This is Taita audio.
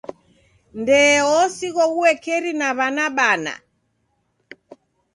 Ndee osighwa uekeri na w'ana bana.